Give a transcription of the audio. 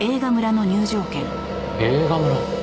映画村？